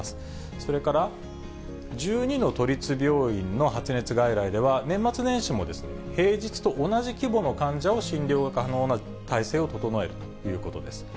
それから１２の都立病院の発熱外来では、年末年始も平日と同じ規模の患者を診療可能な体制を整えるということです。